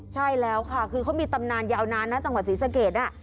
ใช่แล้วค่ะคือเขามีตำนานยาวนานนะจังหวัดศรีสะเกด